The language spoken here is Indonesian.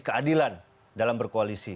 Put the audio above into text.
keadilan dalam berkoalisi